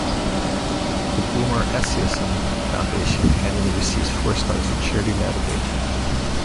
The Boomer Esiason Foundation annually receives four stars from Charity Navigator.